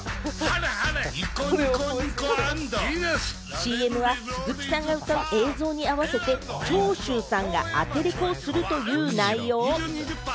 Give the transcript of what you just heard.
ＣＭは鈴木さんが歌う映像に合わせて長州さんがアテレコをするという内容。